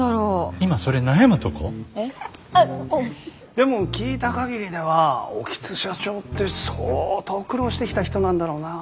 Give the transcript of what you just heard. でも聞いた限りでは興津社長って相当苦労してきた人なんだろうなあ。